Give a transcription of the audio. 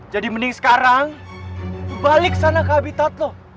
jadi mending sekarang lo balik sana ke habitat lo